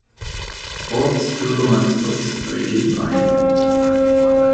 Ortsbürgermeister ist Eugen Weiler.